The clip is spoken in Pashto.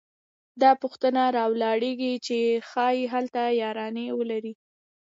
دا پوښتنه راولاړېږي چې ښايي هلته یارانې ولري